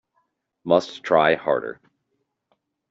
Must try harder.